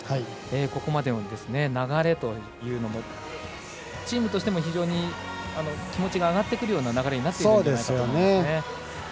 ここまでの流れというのもチームとしても非常に気持ちが上がってくるような流れになるんじゃないでしょうか。